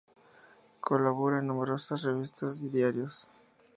Colabora en numerosas revistas y diarios.